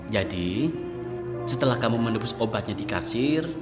jadi setelah kamu menembus obatnya di kasir